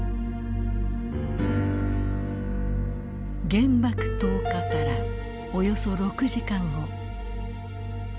原爆投下からおよそ６時間後。